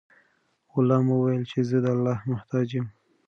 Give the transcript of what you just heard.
غلام وویل چې زه د الله محتاج یم.